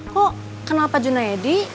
kok kenal pak juna ya di